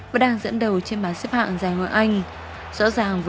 và đang dẫn đầu trên bàn xếp hạng giải ngoại anh